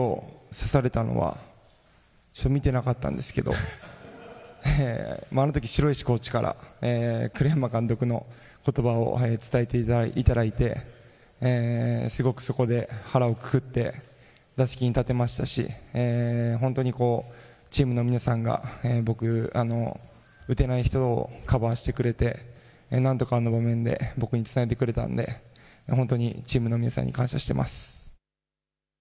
指を指されたのはちょっと見ていなかったんですけれどもあのとき城石コーチから栗山監督のことばを伝えていただいてすごくそこで腹をくくって打席に立てましたし本当にチームの皆さんが僕、打てない人をカバーしてくれて、なんとかあの場面で僕につないでくれたので本当にチームの皆さんに感謝しています。